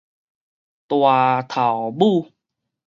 大頭拇